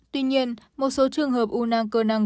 tuy nhiên một số trường hợp u nang cơ năng